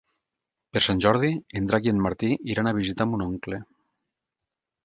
Per Sant Jordi en Drac i en Martí iran a visitar mon oncle.